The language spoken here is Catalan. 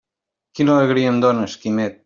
Quina alegria em dónes, Quimet!